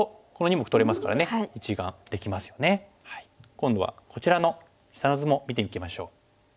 今度はこちらの下の図も見ていきましょう。